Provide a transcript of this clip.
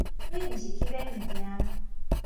你毋是去買物件